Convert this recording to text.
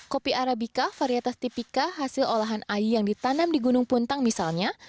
kopi arabica varietas tipika hasil olahan ayu yang ditanam di gunung puntang misalnya